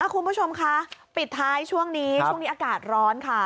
คุณผู้ชมคะปิดท้ายช่วงนี้ช่วงนี้อากาศร้อนค่ะ